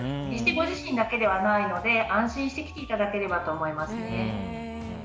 ご自身だけではないので安心して来ていただければと思います。